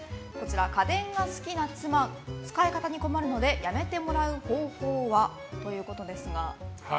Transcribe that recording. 家電が好きな妻使い方に困るのでやめてもらう方法はということですが。